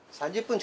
３０分？